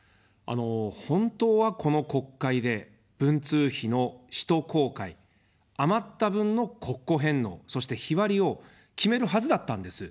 本当はこの国会で文通費の使途公開、余った分の国庫返納、そして日割りを決めるはずだったんです。